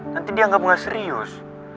nanti dia anggap nggak serius